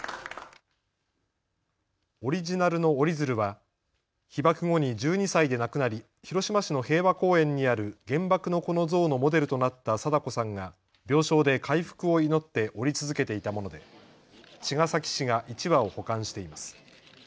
オリジナルの折り鶴は被爆後に１２歳で亡くなり広島市の平和公園にある原爆の子の像のモデルとなった禎子さんが病床で回復を祈って折り続けていたもので茅ヶ崎市が１羽を保管しています。